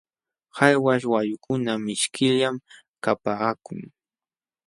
Qalwaśh wayukuna mishkillam kapaakun.